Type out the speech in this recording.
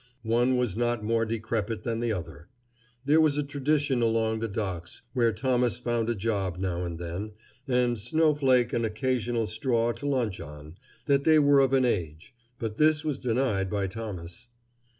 One was not more decrepit than the other. There was a tradition along the docks, where Thomas found a job now and then, and Snowflake an occasional straw to lunch on, that they were of an age, but this was denied by Thomas.